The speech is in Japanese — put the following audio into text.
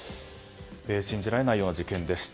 信じられないような事件でした。